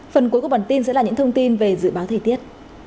phần cuối của bản tin sẽ là những thông tin về dự báo thời tiết